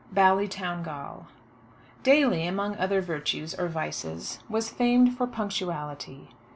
BALLYTOWNGAL. Daly, among other virtues, or vices, was famed for punctuality.